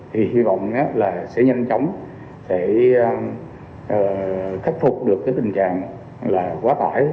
thì hy vọng sẽ nhanh chóng khắc phục được tình trạng quá tải